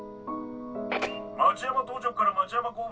町山当直から町山交番